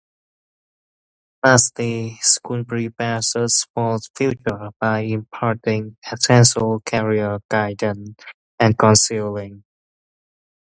Lastly, school prepares us for the future by imparting essential career guidance and counseling.